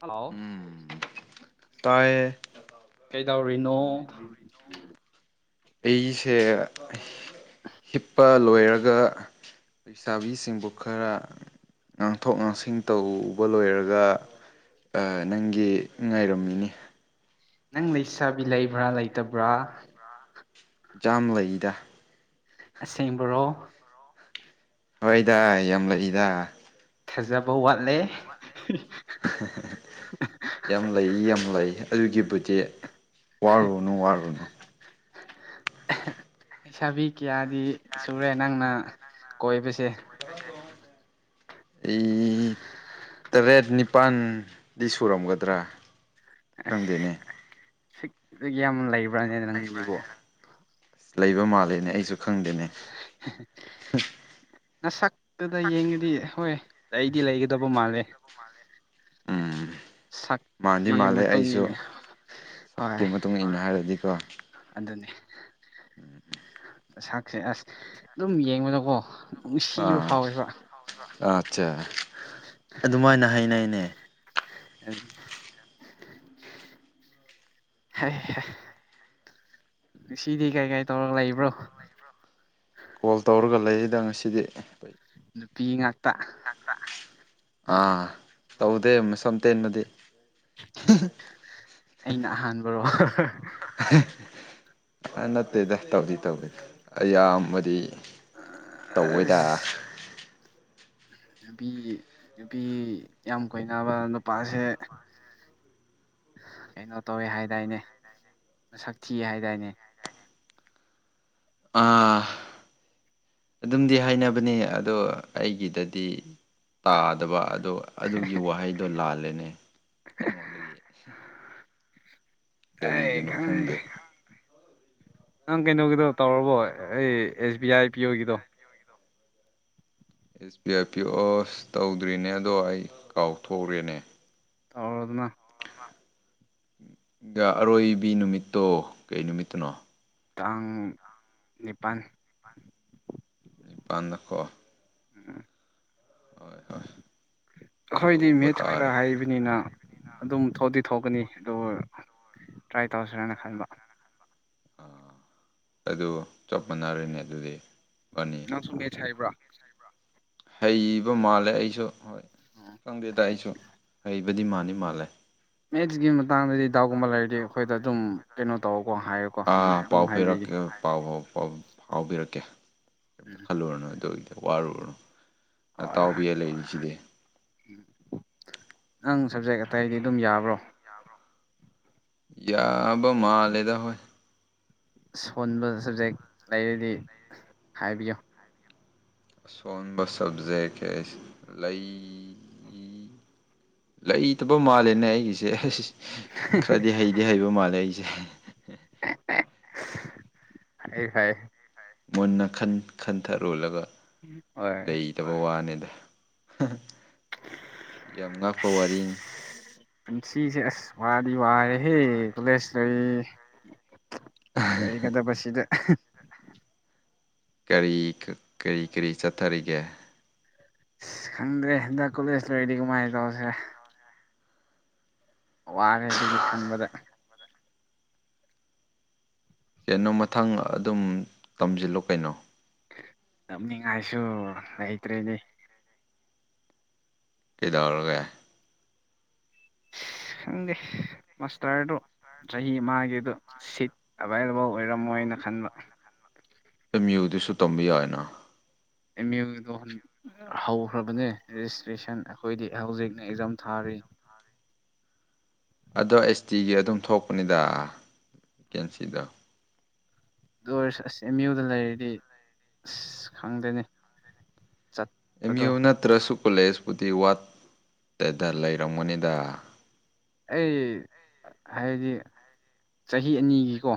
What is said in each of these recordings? Hello ꯎꯝ ꯇꯥꯏꯌꯦ ꯀꯩꯗꯧꯔꯤꯅꯣ ꯑꯩꯁꯦ ꯍꯤꯞꯄ ꯂꯣꯏꯔꯒ ꯂꯩꯁꯥꯕꯤꯁꯤꯡꯕꯨ ꯈꯔ ꯉꯥꯡꯊꯣꯛ ꯉꯥꯡꯁꯤꯟ ꯇꯧꯕ ꯂꯣꯏꯔꯒ ꯑ ꯅꯪꯒꯤ ꯉꯥꯏꯔꯝꯃꯤꯅꯦ ꯅꯪ ꯂꯩꯁꯥꯕꯤ ꯂꯩꯕ꯭ꯔꯥ ꯂꯩꯇꯕ꯭ꯔꯥ ꯌꯥꯝ ꯂꯩꯗ ꯑꯁꯦꯡꯕ꯭ꯔꯣ ꯍꯣꯏꯗ ꯌꯥꯝ ꯂꯩꯗ ꯐꯖꯕ ꯋꯥꯠꯂꯦ ꯌꯥꯝ ꯂꯩ ꯌꯥꯝ ꯂꯩ ꯑꯗꯨꯒꯤꯕꯨꯗꯤ ꯋꯥꯔꯨꯅꯨ ꯋꯥꯔꯨꯅꯨ ꯂꯩꯁꯥꯕꯤ ꯀꯌꯥꯗꯤ ꯁꯨꯔꯦ ꯅꯪꯅ ꯀꯣꯏꯕꯁꯦ ꯑꯩ ꯇꯔꯦꯠ ꯅꯤꯄꯥꯜꯗꯤ ꯁꯨꯔꯝꯒꯗ꯭ꯔꯥ ꯈꯪꯗꯦꯅꯦ ꯁꯤꯛ ꯌꯥꯝ ꯂꯩꯕ ꯂꯩꯕ꯭ꯔꯥꯅꯦ ꯅꯪꯒꯤꯕꯨ ꯑꯁ ꯂꯩꯕ ꯃꯥꯜꯂꯦꯅꯦ ꯑꯩꯁꯨ ꯈꯪꯗꯦꯅꯦ ꯅꯁꯛꯇꯨꯗ ꯌꯦꯡꯉꯗꯤ ꯍꯣꯏ ꯂꯩꯗꯤ ꯂꯩꯒꯗꯕ ꯃꯥꯜꯂꯦ ꯎꯝ ꯃꯥꯥꯟꯗꯤ ꯁꯛꯀꯤ ꯃꯥꯜꯂꯦ ꯃꯇꯨꯡ ꯑꯩꯁꯨ ꯏꯜꯂꯦ ꯁꯛꯀꯤ ꯍꯣꯏ ꯃꯇꯨꯡ ꯏꯟꯅ ꯍꯥꯏꯔꯗꯤꯀꯣ ꯑꯗꯨꯅꯤ ꯁꯥꯛꯁꯦ ꯑꯁ ꯑꯗꯨꯝ ꯌꯦꯡꯕꯗꯀꯣ ꯅꯨꯡꯁꯤꯕ ꯐꯥꯎꯋꯦꯕ ꯑꯥ ꯑꯠꯆꯥ ꯑꯗꯨꯃꯥꯏꯅ ꯍꯥꯏꯩꯅꯩꯅꯦ꯫ [unintelligible] [unintelligible] ꯉꯁꯤꯗꯤ ꯀꯩ ꯀꯩ ꯇꯧꯔꯒ ꯂꯩꯕ꯭ꯔꯣ? [unintelligible] ꯀꯣꯜ ꯇꯧꯔꯒ ꯂꯩꯌꯦꯗ ꯉꯁꯤꯗꯤ ꯫ ꯅꯨꯄꯤ ꯉꯥꯛꯇ ꯑꯥ ꯇꯧꯗꯦ ꯃꯁꯝ ꯇꯦꯟꯕꯗꯤ ꯑꯩꯅ ꯑꯍꯥꯟꯕꯔꯣ? ꯅꯠꯇꯦꯗ ꯇꯧꯗꯤ ꯇꯧꯗꯤ ꯑꯌꯥꯝꯕꯗꯤ ꯇꯧꯋꯦꯗ ꯑꯁ ꯅꯨꯄꯤ ꯅꯨꯄꯤ ꯌꯥꯝ ꯀꯣꯏꯅꯕ ꯅꯨꯄꯥꯁꯦ ꯀꯩꯅꯣ ꯇꯧꯋꯦ ꯍꯥꯏꯗꯥꯏꯅꯦ ꯃꯁꯛ ꯊꯤꯌꯦ ꯍꯥꯏꯗꯥꯏꯅꯦ ꯑꯥ ꯑꯗꯨꯝꯗꯤ ꯍꯥꯏꯅꯕꯅꯤ ꯑꯗꯣ ꯑꯩꯒꯤꯗꯗꯤ ꯇꯥꯗꯕ ꯑꯗꯣ ꯑꯗꯨꯒꯤ ꯋꯥꯍꯩꯗꯣ ꯂꯥꯜꯂꯦꯅꯦ ꯑꯩꯉꯣꯟꯗꯒꯤ ꯑꯦ ꯈꯪꯗꯦ ꯅꯪ ꯀꯩꯅꯣꯒꯤꯗꯣ ꯇꯧꯔꯕꯣ ꯑꯩ ꯑꯦꯁ B I P ꯑꯣꯒꯤꯗꯣ S B I P ꯑꯣꯁ ꯇꯧꯗ꯭ꯔꯤꯅꯦ ꯑꯗꯣ ꯑꯩ ꯀꯥꯎꯊꯣꯛꯎꯔꯦꯅꯦ꯫ ꯇꯧꯔꯣꯗꯅ ꯑꯔꯣꯏꯕꯤ ꯅꯨꯃꯤꯠꯇꯣ ꯀꯩ ꯅꯨꯃꯤꯠꯇꯅꯣ? ꯇꯥꯡ ꯅꯤꯄꯥꯟ ꯅꯤꯄꯥꯟꯗꯀꯣ ꯎꯝ ꯍꯣꯏ ꯑꯈꯣꯏꯗꯤ ꯇꯧꯕ ꯃꯦꯠ ꯈꯔ ꯇꯥꯔꯦ ꯍꯥꯏꯕꯅꯤꯅ ꯑꯗꯨꯝ ꯊꯣꯛꯗꯤ ꯊꯣꯛꯀꯅꯤ ꯑꯗꯨ ꯇ꯭ꯔꯥꯏ ꯇꯧꯁꯔꯅ ꯈꯟꯕ꯫ ꯑꯥ ꯑꯗꯨ ꯆꯞ ꯃꯥꯟꯅꯔꯅꯦ ꯑꯗꯨꯗꯤꯅꯤ ꯕꯥꯅꯤ ꯅꯪ ꯁꯨ ꯃꯦꯠꯆ ꯍꯩꯕ꯭ꯔꯥ? ꯍꯩꯕ ꯃꯥꯜꯂꯦ ꯑꯩꯁꯨ ꯍꯣꯏ ꯈꯪꯗꯦꯗ ꯑꯩꯁꯨ ꯍꯩꯕꯗꯤ ꯃꯥꯟꯗꯤ ꯃꯥꯜꯂꯦ꯫ ꯃꯦꯠꯁꯀꯤ ꯃꯇꯥꯡꯗꯗꯤ ꯗꯥꯎꯠꯒꯨꯝꯕ ꯂꯩꯔꯗꯤ ꯑꯩꯈꯣꯏꯗ ꯑꯗꯨꯝ ꯀꯩꯅꯣ ꯇꯧꯀꯣ ꯍꯥꯏꯌꯣ ꯑꯥ ꯄꯥꯎ ꯄꯤꯔꯛꯀꯦ ꯄꯥꯎ ꯄꯥꯎ ꯐꯥꯎꯕꯤꯔꯛꯀꯦ꯫ ꯀꯩꯝꯇ ꯎꯝ ꯈꯜꯂꯨꯔꯅꯨ ꯑꯗꯨꯒꯤꯗ ꯋꯥꯔꯨꯔꯅꯨ ꯅꯇꯥꯎꯕꯤꯌꯦ ꯂꯩꯔꯤ ꯁꯤꯗꯤ꯫ ꯎꯝ ꯅꯪ ꯁꯞꯖꯦꯛ ꯑꯇꯩꯗꯤ ꯑꯗꯨꯝ ꯌꯥꯕ꯭ꯔꯣ? ꯌꯥꯕ ꯃꯥꯜꯂꯦꯗ ꯍꯣꯏ꯫ ꯁꯣꯟꯕ ꯁꯕꯖꯦꯛ ꯂꯩꯔꯗꯤ ꯍꯥꯏꯕꯤꯌꯣ꯫ ꯑꯁꯣꯟꯕ ꯁꯕꯖꯦꯛ ꯂꯩ ꯂꯩꯇꯕ ꯃꯥꯜꯂꯦꯅꯦ ꯑꯩꯒꯤꯁꯦ ꯈꯔꯗꯤ ꯍꯩꯗꯤ ꯍꯩꯕ ꯃꯥꯜꯂꯦ ꯑꯩꯁꯦ꯫ ꯍꯩ ꯍꯩ ꯃꯨꯟꯅ ꯈꯟ ꯈꯟꯊꯔꯣꯜꯂꯒ ꯍꯣꯏ ꯇꯕ ꯋꯥꯅꯦꯗ ꯌꯥꯝ ꯉꯥꯛꯄ ꯋꯥꯔꯤꯅꯤ꯫ ꯄꯨꯟꯁꯤꯁꯦ ꯑꯁ ꯋꯥꯗꯤ ꯋꯥꯔꯦꯍꯦ ꯀꯣꯂꯦꯖ [unintelligible] ꯑꯣꯏꯒꯗꯕꯁꯤꯗ ꯑꯍꯥ ꯀꯔꯤ ꯀꯥ ꯀꯔꯤ ꯀꯔꯤ ꯆꯠꯊꯔꯤꯒꯦ ꯑꯁ ꯈꯪꯗ꯭ꯔꯦ ꯍꯟꯗꯛ ꯀꯣꯂꯦꯖ ꯂꯣꯏꯔꯗꯤ ꯀꯃꯥꯏꯅ ꯇꯧꯁꯤꯔꯥ ꯋꯥꯔꯦ ꯑꯗꯨꯒꯤ ꯈꯟꯕꯗ ꯀꯩꯅꯣ ꯃꯊꯪ ꯑꯗꯨꯝ ꯇꯝꯁꯤꯜꯂꯣ ꯀꯩꯅꯣ ꯇꯝꯅꯤꯡꯉꯥꯏꯁꯨ ꯂꯩꯇ꯭ꯔꯦꯅꯦ ꯀꯩꯗꯧꯔꯒꯦ ꯈꯪꯗꯦ ꯃꯥꯁꯇꯔꯗꯣ ꯆꯍꯤ ꯑꯃꯒꯤꯗꯣ ꯁꯤꯠ ꯑꯦꯕꯥꯏꯂꯦꯕꯜ ꯑꯣꯏꯔꯝꯃꯣꯏꯅ ꯈꯟꯕ ꯑꯦꯝ ꯌꯨꯗꯨꯁꯨ ꯇꯝꯕ ꯌꯥꯏꯅ ꯑꯦꯝ ꯌꯨꯗꯣ ꯍꯟ ꯍꯧꯈ꯭ꯔꯕꯅꯦ ꯔꯦꯖꯤꯁꯇ꯭ꯔꯦꯁꯟ ꯑꯩꯈꯣꯏꯗꯤ ꯍꯧꯖꯤꯛ ꯑꯦꯛꯖꯥꯝ ꯊꯥꯔꯤ ꯑꯗꯣ ꯑꯩꯁ ꯇꯤꯒꯤ ꯑꯗꯨꯝ ꯊꯣꯛꯄꯅꯤꯗ ꯚꯦꯀꯦꯟꯁꯤꯗꯣ ꯗꯨ ꯑꯣꯏꯔꯁꯨ ꯑꯁ ꯑꯦꯝ ꯌꯨꯗ ꯂꯩꯔꯗꯤ ꯑꯁ ꯈꯪꯗꯦꯅꯦ ꯆꯠ ꯑꯦꯝ ꯌꯨ ꯅꯠꯇ꯭ꯔꯁꯨ ꯀꯣꯂꯦꯖꯄꯨꯗꯤ ꯋꯥꯠ ꯇꯦꯗ ꯂꯩꯔꯝꯒꯅꯤꯗ ꯑꯩ ꯍꯥꯏꯗꯤ ꯆꯍꯤ ꯑꯅꯤꯒꯤꯀꯣ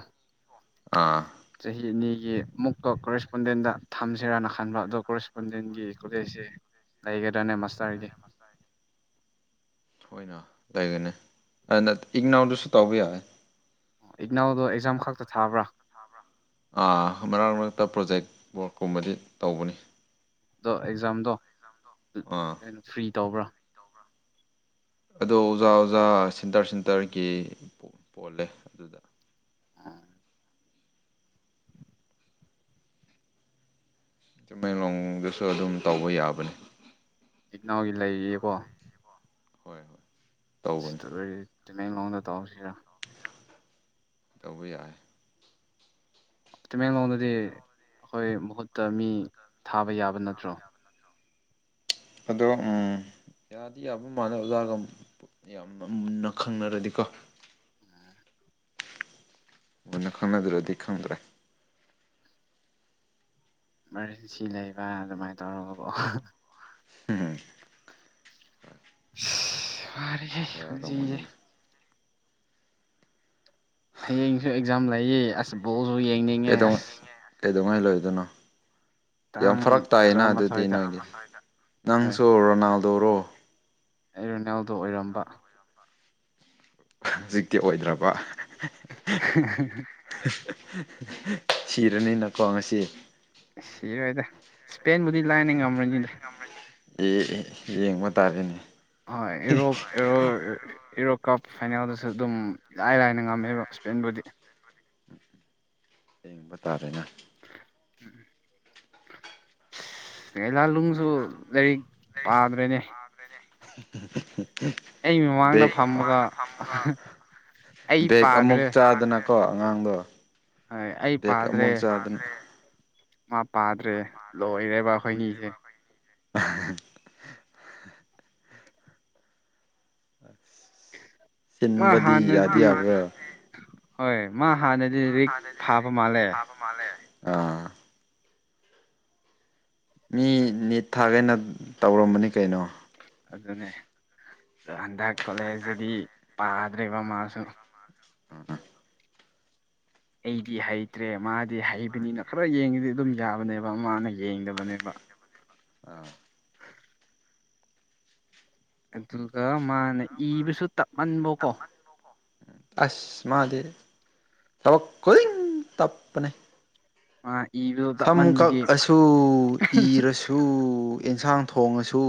ꯑꯥ ꯆꯍꯤ ꯑꯅꯤꯒꯤ ꯑꯃꯨꯛꯀ ꯀꯣꯔꯦꯁꯄꯣꯟꯗꯦꯟꯗ ꯊꯝꯁꯤꯔꯥꯅ ꯈꯟꯕ ꯑꯗꯣ ꯀꯣꯔꯦꯁꯄꯣꯟꯗꯦꯟꯒꯤ ꯀꯣꯂꯦꯖꯁꯦ ꯂꯩꯒꯗ꯭ꯔꯅꯦ ꯃꯥꯁꯇꯔꯒꯤ ꯍꯣꯏꯅ ꯂꯩꯒꯅꯤ ꯑꯅ ꯏꯒꯅꯧꯗꯁꯨ ꯇꯧꯕ ꯌꯥꯏ ꯏꯒꯅꯧꯗꯣ ꯑꯦꯛꯖꯥꯝ ꯈꯛꯇ ꯊꯥꯕ꯭ꯔꯥ ꯑꯥ ꯃꯔꯛ ꯃꯔꯛꯇ ꯄ꯭ꯔꯣꯖꯦꯛ ꯋꯥꯔꯛꯀꯨꯝꯕꯗꯤ ꯇꯧꯕꯅꯤ ꯑꯗꯣ ꯑꯦꯛꯖꯥꯝꯗꯣ ꯑꯥ [unintelligible] ꯐ꯭ꯔꯤ ꯇꯧꯕ꯭ꯔꯥ ꯑꯗꯣ ꯑꯣꯖꯥ ꯑꯣꯖꯥ ꯁꯤꯟꯇꯔ ꯁꯤꯟꯇꯔꯒꯤ ꯄꯣꯜ ꯄꯣꯜꯂꯦ ꯑꯗꯨꯗ ꯑꯥ ꯇꯝꯃꯦꯡꯂꯣꯡꯗꯁꯨ ꯑꯗꯨꯝ ꯇꯧꯕ ꯌꯥꯕꯅꯦ ꯏꯛꯅꯧꯒꯤ ꯂꯩꯔꯤꯌꯦꯀꯣ ꯍꯣꯏ ꯍꯣꯏ ꯇꯧꯕꯅꯤ ꯁꯤꯇꯔꯤ ꯇꯃꯦꯡꯂꯣꯡꯗ ꯇꯧꯁꯤꯔꯥ ꯇꯧꯕ ꯌꯥꯏ ꯇꯃꯦꯡꯂꯣꯡꯗꯗꯤ ꯑꯩꯈꯣꯏ ꯃꯍꯨꯠꯇ ꯃꯤ ꯊꯥꯕ ꯌꯥꯕ ꯅꯠꯇ꯭ꯔꯣ ꯑꯗꯣ ꯎꯝ ꯌꯥꯗꯤ ꯌꯥꯕ ꯃꯥꯜꯂꯦ ꯑꯣꯖꯥꯒꯝ ꯌꯥꯝꯅ ꯃꯨꯟꯅ ꯈꯪꯅꯔꯗꯤꯀꯣ ꯃꯨꯟꯅ ꯈꯪꯅꯗꯔꯗꯤ ꯈꯪꯗ꯭ꯔꯦ ꯏꯃꯥꯔꯖꯦꯟꯁꯤ ꯂꯩꯕ ꯑꯗꯨꯃꯥꯏꯅ ꯇꯧꯔꯒ ꯀꯣ ꯎꯨꯝꯍ ꯁꯤ ꯋꯥꯔꯦꯍꯦ ꯄꯨꯟꯁꯤꯁꯦ ꯌꯥꯗꯧꯕꯅꯤꯗ ꯍꯌꯦꯡꯁꯨ ꯑꯦꯛꯖꯥꯝ ꯂꯩꯌꯦ ꯑꯁ ꯕꯣꯜꯁꯨ ꯌꯦꯡꯅꯤꯡꯉꯦ ꯀꯩꯗꯧ ꯑꯁ ꯀꯩꯗꯧꯉꯩ ꯂꯣꯏꯗꯣꯏꯅꯣ ꯌꯥꯝ ꯇꯥꯡ ꯐꯔꯛ ꯇꯥꯏꯌꯦꯅ ꯑꯗꯨꯗꯤ ꯇꯔꯥꯃꯥꯊꯣꯏꯗ ꯅꯣꯏꯒꯤ ꯍꯣꯏ ꯅꯪꯁꯨ ꯔꯣꯅꯥꯜꯗꯣꯔꯣ ꯑꯩ ꯔꯣꯅꯦꯜꯗꯣ ꯑꯣꯏꯔꯝꯕ ꯍꯧꯖꯤꯛꯇꯤ ꯑꯣꯏꯗ꯭ꯔꯕ ꯍꯥ ꯍꯥ ꯍꯥ ꯍ ꯍ ꯍꯥ ꯁꯤꯔꯅꯤꯅꯀꯣ ꯉꯁꯤ ꯁꯤꯔꯣꯏꯗ ꯏꯁꯄꯦꯟꯕꯨꯗꯤ ꯂꯥꯏꯅ ꯉꯝꯔꯅꯤ ꯑꯦ ꯑꯦ ꯌꯦꯡꯕ ꯇꯥꯔꯦꯅꯦ ꯍꯣꯏ ꯑꯦꯔꯣꯞ ꯑꯦꯔꯣ [unintelligible] ꯑꯦꯔꯣ ꯀꯞ ꯐꯥꯏꯅꯦꯜꯗꯁꯨ ꯑꯗꯨꯝ ꯏꯂꯥꯏ ꯂꯥꯏꯅ ꯉꯝꯃꯦꯕ ꯁ꯭ꯄꯦꯟꯕꯨꯗꯤ ꯌꯦꯡꯕ ꯇꯥꯔꯦꯅ [unintelligible] ꯁꯨ ꯂꯥꯏꯔꯤꯛ ꯄꯥꯗ꯭ꯔꯦꯅꯦ ꯑꯩ [unintelligible] ꯃꯃꯥꯡꯗ ꯗꯦꯛ ꯐꯝꯃꯒ ꯑꯩ ꯕꯦꯛ ꯑꯃꯨꯛ ꯄꯥꯗ꯭ꯔꯦ ꯆꯥꯗꯅ ꯀꯣ ꯑꯉꯥꯡꯗꯣ ꯍꯣꯏ ꯑꯩ ꯕꯦꯛ ꯄꯥꯗ꯭ꯔꯦ ꯑꯃꯨꯛ ꯆꯥꯗꯅ ꯃꯥ ꯄꯥꯗ꯭ꯔꯦ ꯂꯣꯏꯔꯦꯕ ꯑꯩꯈꯣꯏꯅꯤꯁꯦ [unintelligible] ꯃꯥ ꯆꯤꯟꯕꯗꯤ ꯌꯥꯗꯤ ꯍꯥꯟꯅꯗꯤ ꯌꯥꯕ꯭ꯔꯥ ꯍꯣꯏ ꯃꯥ ꯍꯥꯟꯅꯗꯤ ꯂꯥꯏꯔꯤꯛ ꯐꯥꯕ ꯃꯥꯜꯂꯦ ꯃꯥꯜꯂꯦ ꯑꯥ ꯃꯤ ꯅꯤꯠ ꯊꯥꯒꯦꯅ ꯇꯧꯔꯝꯕꯅꯤ ꯀꯩꯅꯣ ꯑꯗꯨꯅꯦ ꯇꯣ ꯍꯟꯗꯛ ꯀꯣꯂꯦꯖꯇꯗꯤ ꯄꯥꯗ꯭ꯔꯦꯕ ꯃꯥꯁꯨ ꯑꯩꯗꯤ ꯍꯩꯇ꯭ꯔꯦ ꯃꯥꯗꯤ ꯍꯩꯕꯅꯤꯅ ꯈꯔ ꯌꯦꯡꯉꯤꯗꯤ ꯑꯗꯨꯝ ꯌꯥꯕꯅꯦꯕ ꯃꯥꯅ ꯌꯦꯡꯗꯕꯅꯦꯕ ꯑꯥ ꯑꯗꯨꯒ ꯃꯥꯅ ꯏꯕꯁꯨ ꯇꯞꯃꯟꯕꯀꯣ ꯑꯁ ꯃꯥꯗꯤ ꯊꯕꯛ ꯈꯨꯗꯤꯡ ꯇꯞꯄꯅꯦ ꯃꯥꯏ ꯁꯝ ꯀꯛꯑꯁꯨ ꯏꯔꯁꯨ ꯑꯦꯟꯁꯥꯡ ꯊꯣꯡꯉꯁꯨ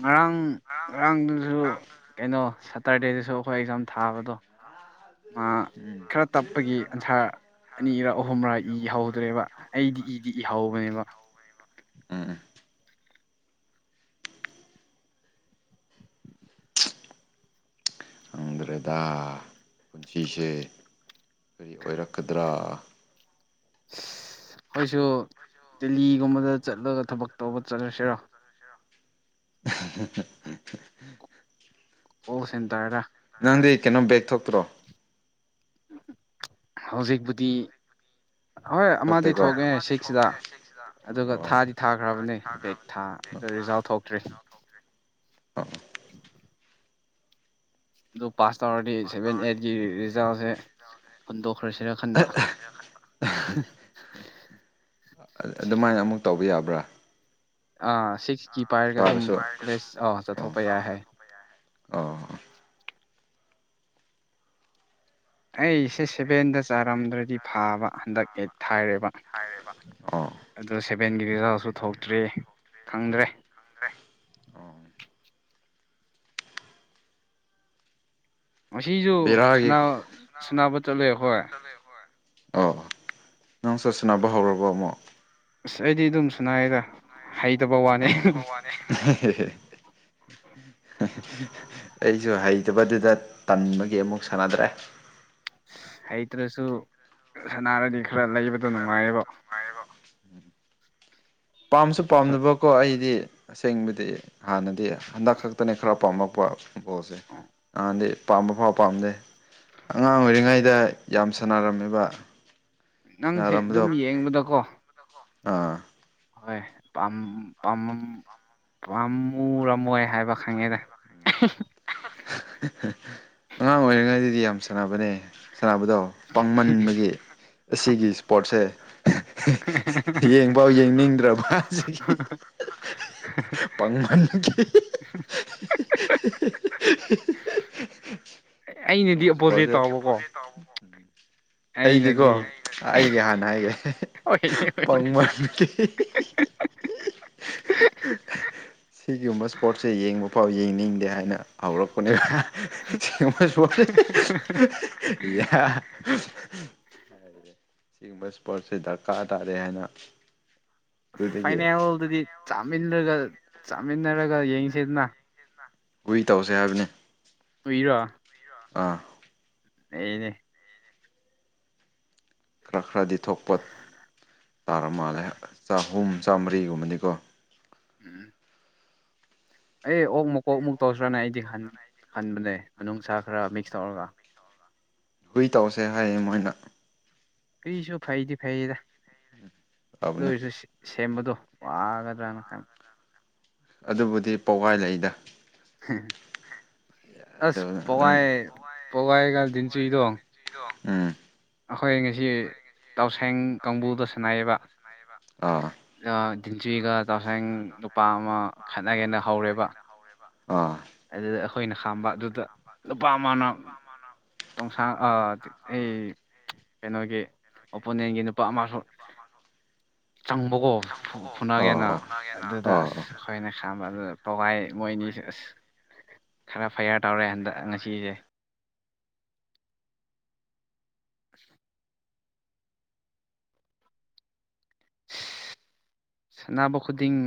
ꯉꯔꯥꯡ ꯉꯔꯥꯡꯗꯨꯁꯨ ꯀꯩꯅꯣ ꯁꯇꯔꯗꯦꯗꯁꯨ ꯑꯩꯈꯣꯏ ꯑꯦꯛꯖꯥꯝ ꯊꯥꯕꯗꯣ ꯃꯥ ꯎꯝ ꯈꯔ ꯇꯞꯄꯒꯤ ꯑꯟꯁꯥꯔ ꯑꯅꯤꯔ ꯑꯍꯨꯝꯔꯥ ꯏꯍꯧꯗ꯭ꯔꯦꯕ ꯑꯩꯗꯤ ꯏꯗꯤ ꯏꯍꯧꯕꯅꯦꯕ ꯎꯝ ꯎꯝ ꯈꯪꯗ꯭ꯔꯦꯗ ꯄꯨꯟꯁꯤꯁꯦ ꯀꯔꯤ ꯑꯣꯏꯔꯛꯀꯗ꯭ꯔꯥ [unintelligible] ꯑꯩꯈꯣꯏꯁꯨ ꯗꯦꯜꯂꯤꯒꯨꯝꯕꯗ ꯆꯠꯂꯒ ꯊꯕꯛ ꯇꯧꯕ ꯆꯠꯂꯁꯤꯔ [unintelligible] ꯀꯣꯜ ꯁꯦꯟꯇꯔꯥ ꯅꯪꯗꯤ ꯀꯩꯅꯣ ꯕꯦꯛ ꯊꯣꯛꯇ꯭ꯔꯣ ꯍꯧꯖꯤꯛꯄꯨꯗꯤ ꯍꯣꯏ ꯑꯃꯗꯤ ꯊꯣꯛꯇꯦꯀꯣ ꯊꯣꯛꯑꯦ ꯁꯤꯛꯁꯗ ꯑꯗꯨꯒ ꯑꯣ ꯊꯥꯗꯤ ꯊꯥꯈ꯭ꯔꯕꯅꯦ ꯕꯦꯛ ꯊꯥ ꯑꯗꯨ ꯔꯤꯖꯜ ꯊꯣꯛꯇ꯭ꯔꯤ ꯑꯥ ꯑꯗꯨ ꯄꯥꯁ ꯇꯧꯔꯗꯤ ꯁꯚꯦꯟ ꯑꯩꯠꯀꯤ ꯔꯤ ꯔꯤꯖꯜꯁꯦ ꯍꯨꯟꯗꯣꯛꯈ꯭ꯔꯁꯤꯔ ꯈꯟꯕ ꯑꯗꯨꯃꯥꯏꯅ ꯑꯃꯨꯛ ꯇꯧꯕ ꯌꯥꯕ꯭ꯔꯥ ꯑꯥ ꯁꯤꯛꯁꯀꯤ ꯄꯥꯏꯔꯒ ꯑꯗꯨꯝ ꯀꯥꯔꯁꯨ ꯀꯣꯂꯦꯖ ꯑꯥꯎ ꯑꯣ ꯆꯠꯊꯣꯛꯄ ꯌꯥꯏ ꯍꯥꯏ ꯑꯣ ꯑꯩ ꯏꯁꯦ ꯁꯦꯕꯦꯟꯗ ꯁꯦꯚꯦꯟꯗ ꯆꯥꯔꯝꯗ꯭ꯔꯗꯤ ꯐꯥꯕ ꯍꯟꯗꯛ ꯊꯥꯏꯔꯦꯕ [unintelligible] ꯑꯥꯎ ꯑꯗꯨ ꯁꯚꯦꯟꯒꯤ ꯔꯤꯖꯥꯜꯁꯨ ꯊꯣꯛꯇ꯭ꯔꯤ ꯈꯪꯗ꯭ꯔꯦ ꯑꯣ ꯉꯁꯤꯁꯨ ꯕꯦꯔꯥꯒꯤ ꯁꯅꯥꯕ ꯁꯅꯥꯕ ꯆꯠꯂꯦ ꯑꯩꯈꯣꯏ ꯑꯥ ꯅꯪꯁꯨ ꯁꯥꯟꯅꯕ ꯍꯧꯔꯕꯣ ꯑꯃꯨꯛ ꯑꯁ ꯑꯩꯗꯤ ꯑꯗꯨꯝ ꯁꯅꯥꯏꯗ ꯍꯩꯇꯕ ꯋꯥꯅꯤ ꯑꯣ ꯑꯩꯁꯨ ꯍꯩꯇꯕꯗꯨꯗ ꯇꯟꯕꯒꯤ ꯑꯃꯨꯛ ꯁꯥꯟꯅꯗ꯭ꯔꯦ ꯍꯩꯇ꯭ꯔꯁꯨ ꯁꯅꯥꯔꯗꯤ ꯈꯔ ꯂꯩꯕꯗꯣ ꯅꯨꯡꯉꯥꯏꯌꯦꯕ ꯄꯥꯝꯁꯨ ꯍꯣꯏ ꯄꯥꯝꯗꯕꯀꯣ ꯑꯩꯗꯤ ꯑꯁꯦꯡꯕꯗꯤ ꯍꯥꯟꯅꯗꯤ ꯍꯟꯗꯛ ꯈꯛꯇꯅꯦ ꯈꯔ ꯄꯥꯝꯃꯛꯄ ꯕꯣꯜꯁꯦ ꯍꯥꯟꯅꯗꯤ ꯄꯥꯝꯕ ꯐꯥꯎ ꯄꯥꯝꯗꯦ ꯑꯉꯥꯡ ꯑꯣꯏꯔꯤꯉꯩꯗ ꯌꯥꯝ ꯁꯥꯟꯅꯔꯝꯃꯤꯕ ꯅꯪꯁꯦ ꯑꯗꯨꯝ ꯌꯦꯡꯕꯗꯀꯣ ꯑꯥ ꯍꯣꯏ ꯄꯝ ꯄꯥꯝꯃꯝ ꯄꯥꯝꯃꯨꯔꯝꯃꯣꯏ ꯍꯥꯏꯕ ꯈꯪꯉꯦꯅꯦ ꯑꯉꯥꯡ ꯑꯣꯏꯔꯤꯉꯩꯗꯗꯤ ꯌꯥꯝ ꯁꯥꯟꯅꯕꯅꯦ ꯁꯥꯟꯅꯕꯗꯣ ꯄꯥꯡꯃꯟꯕꯒꯤ ꯑꯁꯤꯒꯤ ꯏꯁꯄꯣꯔꯠꯁꯦ ꯌꯦꯡꯐꯥꯎ ꯌꯦꯡꯅꯤꯡꯗ꯭ꯔꯕ ꯍꯖꯤꯛꯀꯤ ꯄꯪꯃꯈꯤ [unintelligible] [unintelligible] [unintelligible] ꯑꯩꯅꯗꯤ ꯑꯣꯄꯣꯖꯤꯠ [unintelligible] ꯇꯧꯕꯀꯣ [inaudible] ꯑꯩꯗꯤꯀꯣ ꯑꯩꯅꯗꯤ ꯑꯩꯒꯤ ꯍꯥꯟꯅ ꯍꯥꯏꯒꯦ ꯍꯣꯏꯅꯦ ꯍꯣꯏꯅꯦ ꯄꯥꯡꯃꯟꯈꯤ [unintelligible] ꯁꯤꯒꯨꯝꯕ ꯁꯄꯣꯔꯠꯁꯦ ꯌꯦꯡꯕ ꯐꯥꯎ ꯌꯦꯡꯅꯤꯡꯗꯦ ꯍꯥꯏꯅ ꯍꯧꯔꯛꯄꯅꯦꯕ ꯁꯤꯒꯨꯝꯕ ꯏꯁꯄꯣꯔꯠꯁꯦ [unintelligible] [unintelligible] ꯌꯥ [unintelligible] ꯁꯤꯒꯨꯝꯕ ꯏꯁꯄꯣꯔꯠꯁꯦ ꯗꯔꯀꯥꯔ ꯇꯥꯗꯦ ꯍꯥꯏꯅ ꯑꯗꯨꯗꯒꯤ ꯐꯥꯏꯅꯦꯜꯗꯗꯤ ꯆꯥꯃꯤꯟꯅꯔꯒ ꯆꯥꯃꯤꯟꯅꯔꯒ ꯌꯦꯡꯁꯤꯗꯅ ꯍꯨꯏ ꯇꯧꯁꯦ ꯍꯥꯏꯕꯅꯤ ꯍꯨꯏꯔꯣ ꯑꯥ ꯑꯩꯅꯦ ꯈꯔ ꯈꯔꯗꯤ ꯊꯣꯛꯄ ꯇꯥꯔ ꯃꯥꯜꯂꯦ ꯆꯍꯨꯝ ꯆꯥꯝꯃꯔꯤꯒꯨꯝꯕꯗꯤꯀꯣ ꯎꯝ ꯑꯩ ꯑꯣꯛ ꯃꯨꯛ ꯀꯣꯛ ꯃꯨꯛ ꯇꯧꯁꯤ꯭ꯔꯥꯅꯦ ꯑꯩꯗꯤ ꯍꯟꯕꯅꯦ ꯃꯅꯨꯡꯁꯥ ꯈꯔ ꯃꯤꯛꯁ ꯇꯧꯔꯒ ꯍꯨꯏ ꯇꯧꯁꯦ ꯍꯥꯏꯌꯦ ꯃꯣꯏꯅ ꯍꯨꯏꯁꯨ ꯐꯩꯗꯤ ꯐꯩꯌꯦꯗ ꯇꯧꯕꯅꯦ ꯑꯗꯨꯣꯏꯔꯁꯨ ꯁꯦꯝꯕꯗꯣ ꯋꯥꯒꯗ꯭ꯔꯅ ꯈꯟꯕ ꯑꯗꯨꯕꯨꯗꯤ ꯄꯒꯥꯏ ꯂꯩꯗ ꯑꯁ ꯑꯗꯨꯅ ꯑꯗꯨꯝ ꯄꯋꯥꯏ ꯄꯋꯥꯏ [unintelligible] ꯎꯝ ꯑꯩꯈꯣꯏ ꯉꯁꯤ ꯇꯎꯁꯦꯡ ꯀꯥꯡꯕꯨꯗ ꯁꯅꯥꯏꯌꯦꯕ ꯑꯥ ꯗꯤꯟꯆꯨꯏꯒ ꯇꯎꯁꯦꯡ ꯅꯨꯨꯄꯥ ꯑꯃ ꯈꯠꯅꯒꯦꯅ ꯍꯧꯔꯦꯕ ꯑꯥ ꯑꯗꯨꯗ ꯑꯩꯈꯣꯏꯅ ꯈꯥꯝꯕ ꯑꯗꯨꯗ ꯅꯨꯨꯄꯥ ꯑꯃꯅ ꯇꯣꯡꯁꯥꯡ ꯑꯩ ꯀꯩꯅꯣꯒꯤ ꯑꯣꯄꯣꯅꯦꯟꯒꯤ ꯅꯨꯄꯥ ꯑꯃꯁꯁꯨ ꯆꯪꯕꯀꯣ ꯐꯨꯅꯒꯦꯅ ꯑꯣ ꯑꯣ ꯑꯗꯨꯗ ꯑꯣ ꯑꯁ ꯑꯣ ꯑꯩꯈꯣꯏꯅ ꯈꯥꯝꯕ ꯑꯗꯨꯗ ꯄꯒꯥꯏ ꯃꯣꯏꯅꯤꯁꯨ ꯑꯁ ꯈꯔ ꯐꯩꯌꯥꯥꯔ ꯇꯧꯔꯦ ꯍꯟꯗꯛ ꯉꯁꯤꯁꯦ ꯑꯁ ꯁꯅꯥꯕ ꯈꯨꯗꯤꯡ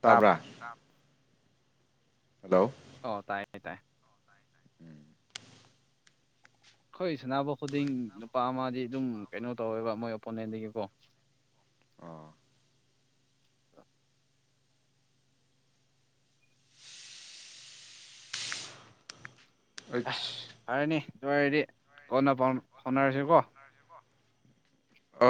ꯇꯥꯕ꯭ꯔꯥ ꯍꯂꯣ ꯑꯣ ꯇꯥꯏꯌꯦ ꯇꯥꯏ ꯎꯝ ꯑꯩꯈꯣꯏ ꯁꯥꯟꯅꯕ ꯈꯨꯗꯤꯡ ꯅꯨꯄꯥ ꯑꯃꯗꯤ ꯑꯗꯨꯝ ꯀꯩꯅꯣ ꯇꯧꯋꯦꯕ ꯃꯣꯏ ꯑꯣꯄꯣꯅꯦꯟꯗꯒꯤꯀꯣ ꯑꯣ [unintelligible] ꯑꯦ ꯑꯩꯁ ꯐꯔꯅꯤ ꯑꯗꯨ ꯑꯣꯏꯔꯗꯤ ꯀꯣꯟꯅꯥ ꯄꯥꯎ ꯐꯥꯎꯅꯔꯁꯤꯀꯣ ꯑ